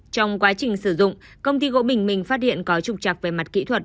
trong quá trình sử dụng công ty gỗ bình minh phát hiện có trục trặc về mặt kỹ thuật